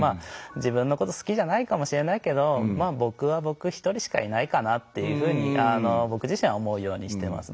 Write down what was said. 自分のこと好きじゃないかもしれないけど僕は僕一人しかいないかなっていうふうに僕自身は思うようにしてます。